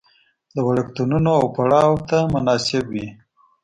د وړکتونونو او پړاو ته مناسب وي.